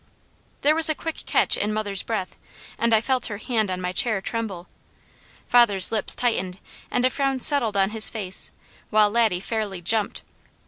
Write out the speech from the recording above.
There was a quick catch in mother's breath and I felt her hand on my chair tremble. Father's lips tightened and a frown settled on his face, while Laddie fairly jumped.